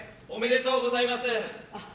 おめでとうございます。